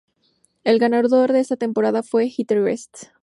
El ganador de esta temporada fue Heather West.